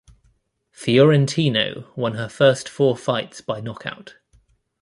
Fiorentino won her first four fights by knockout.